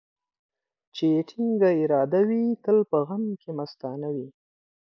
چي يې ټينگه اراده وي ، تل په غم کې مستانه وي.